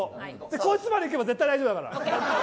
こいつまでいけば絶対に大丈夫だから。